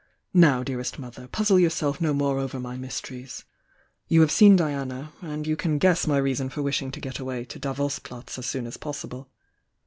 Now, dearest mother, puzzle yourself no more over my mysteries! You have seen Diana — and you can guess my reason for wishing to get away to Davos Platz as soon as possible.